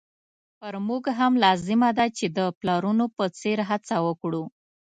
پر موږ هم لازمه ده چې د پلرونو په څېر هڅه وکړو.